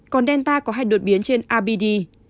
còn delta có hai đột biến trên abd